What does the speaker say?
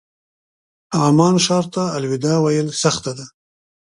عمان ښار ته الوداع ویل سخته وه.